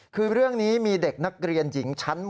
คือเรื่องนี้มีเด็กนักเรียนหญิงชั้นม๔